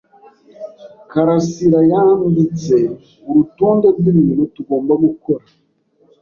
Karasirayanditse urutonde rwibintu tugomba gukora.